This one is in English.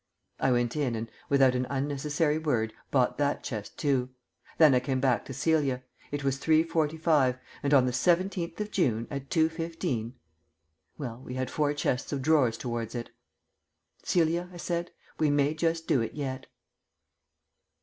I went in and, without an unnecessary word, bought that chest too. Then I came back to Celia. It was 3.45, and on the seventeenth of June at 2.15 Well, we had four chests of drawers towards it. "Celia," I said, "we may just do it yet."